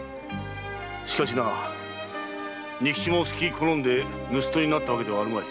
しかしな仁吉もすき好んで盗っ人になったわけではあるまい。